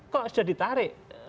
kok sudah ditarik